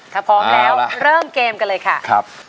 ถ้าพร้อมแล้วเริ่มเกมกันเลยค่ะ